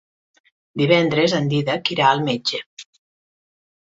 Divendres en Dídac irà al metge.